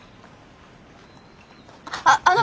あっあの！